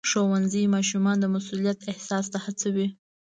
ښوونځی ماشومان د مسؤلیت احساس ته هڅوي.